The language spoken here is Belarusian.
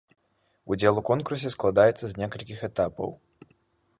Удзел у конкурсе складаецца з некалькіх этапаў.